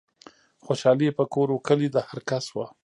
خوشحالي په کور و کلي د هرکس وه